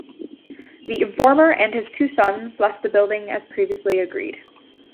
The informer and his two sons left the building as previously agreed.